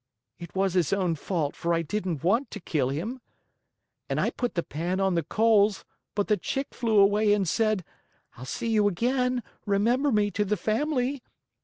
It was his own fault, for I didn't want to kill him. And I put the pan on the coals, but the Chick flew away and said, 'I'll see you again! Remember me to the family.